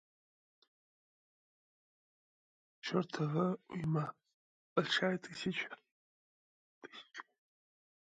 чертова уйма – больше тысячи.